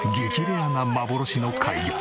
レアな幻の怪魚。